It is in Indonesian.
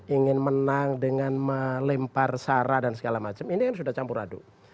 ingin menang dengan melempar sara dan segala macam ini kan sudah campur adu